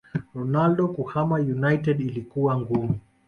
Ronaldo kuhama united ilikuwa ngumu